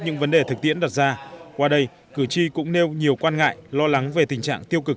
những vấn đề thực tiễn đặt ra qua đây cử tri cũng nêu nhiều quan ngại lo lắng về tình trạng tiêu cực